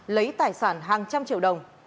lấy tài sản hàng trăm triệu đồng